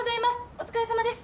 お疲れさまです！